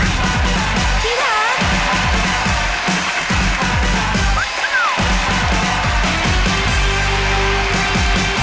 ศึกศุทธีรัก